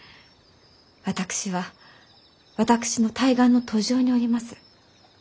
私は私の大願の途上におります。